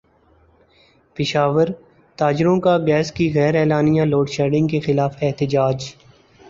پشاور تاجروں کا گیس کی غیر اعلانیہ لوڈشیڈنگ کیخلاف احتجاج